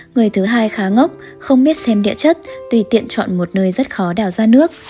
người thứ hai khá ngốc không biết xem địa chất tùy tiện chọn một nơi rất khó đào ra nước